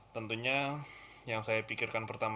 tentunya yang saya pikirkan pertama